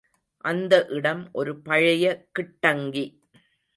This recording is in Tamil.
அந்த இடம் ஒரு பழைய கிட்டங்கி.